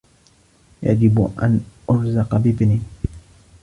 يجب أن أُرزق بإبن.